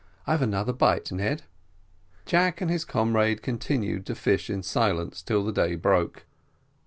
"I've another bite, Ned." Jack and his comrade continued to fish in silence till the day broke.